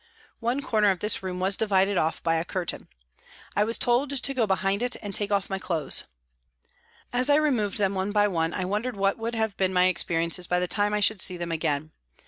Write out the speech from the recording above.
One corner of this room was divided off by a curtain. I was told to go behind it and take off my clothes. As I removed them one by one I wondered what would have been my experiences by the time I should see them again.